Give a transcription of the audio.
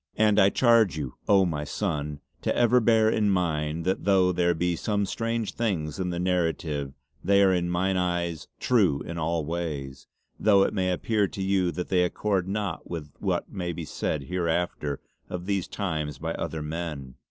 And I charge you, oh! my sonne to ever bear in mind that though there be some strange things in the narrative they are in mine own eyes true in all ways, though it may appear to you that they accord not with what may be said hereafter of these time's by other men.